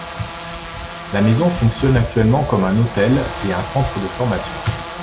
La maison fonctionne actuellement comme un hôtel et un centre de formation.